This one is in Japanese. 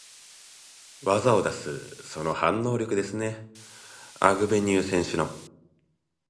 技を出す、その反応力ですね、アグベニュー選手の。